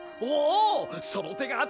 おその手があったか！